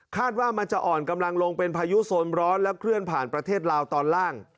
ว่ามันจะอ่อนกำลังลงเป็นพายุโซนร้อนและเคลื่อนผ่านประเทศลาวตอนล่าง